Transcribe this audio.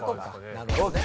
なるほどね。